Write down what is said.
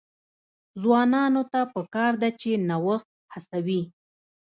ځوانانو ته پکار ده چې، نوښت هڅوي.